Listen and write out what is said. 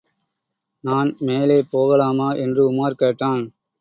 நான் மேலே போகலாமா? என்று உமார் கேட்டான்.